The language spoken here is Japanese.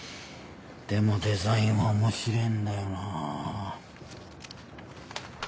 でもデザインは面白ぇんだよな。